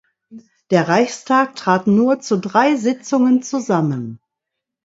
Der Reichstag trat nur zu drei Sitzungen zusammen.